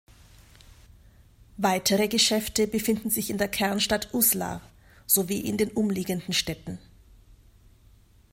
Weitere Geschäfte befinden sich in der Kernstadt Uslar sowie in den umliegenden Städten.